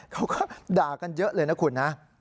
เขาก็ด่ากันเยอะเลยนะคุณนะ